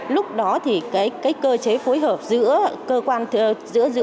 lúc đó thì cái cơ chế phối hợp giữa cơ quan giữa